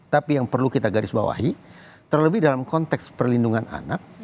tapi yang perlu kita garis bawahi terlebih dalam konteks perlindungan anak